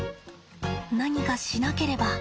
何かしなければ！